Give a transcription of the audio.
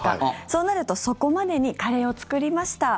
そうなるとそこまでにカレーを作りました